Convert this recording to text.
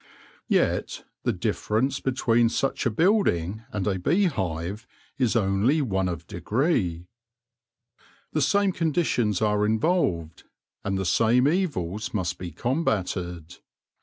Yet the difference between such a building and a beehive is only one of degree. The same conditions are involved, and the same evils must be combated.